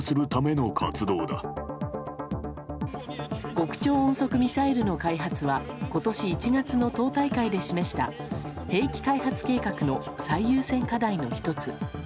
極超音速ミサイルの開発は今年１月の党大会で示した兵器開発計画の最優先課題の１つ。